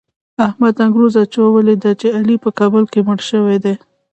احمد انګروزه اچولې ده چې علي په کابل کې مړ شوی دی.